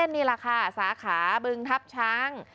มีราคาสาขาบึงทับช้าง